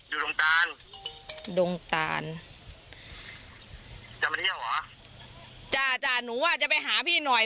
ดงการดงตาลจะมาเที่ยวเหรอจ้าจ้าหนูว่าจะไปหาพี่หน่อย